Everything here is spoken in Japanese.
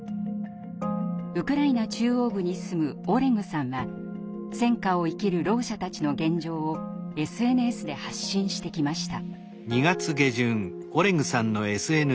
ウクライナ中央部に住むオレグさんは戦禍を生きるろう者たちの現状をＳＮＳで発信してきました。